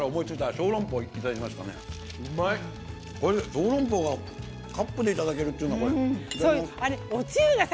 小龍包がカップでいただけるっていうのがさ。